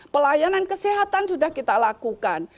pelayanan kesehatan sudah kita lakukan